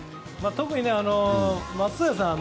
特に松任谷さん